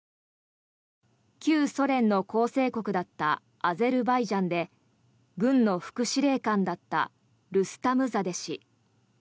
旧ソ連の構成国だったアゼルバイジャンで軍の副司令官だったルスタムザデ氏。